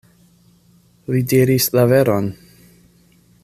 Li diris la veron!..